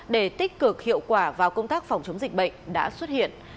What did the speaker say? để tích cực hiệu quả vào công tác phòng chống dịch bệnh đã xuất hiện